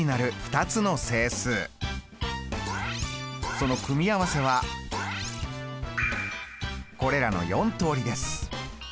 その組み合わせはこれらの４通りです。